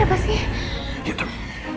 toki makasih tepuk tangan gua